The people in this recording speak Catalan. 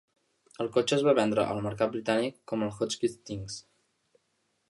El cotxe es va vendre al mercat britànic com el Hotchkiss Tingues.